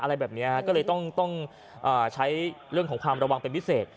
อะไรแบบนี้ก็เลยต้องใช้เรื่องของความระวังเป็นพิเศษ